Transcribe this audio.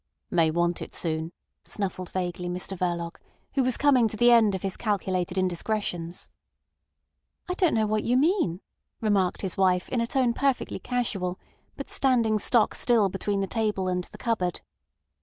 "May want it soon," snuffled vaguely Mr Verloc, who was coming to the end of his calculated indiscretions. "I don't know what you mean," remarked his wife in a tone perfectly casual, but standing stock still between the table and the cupboard.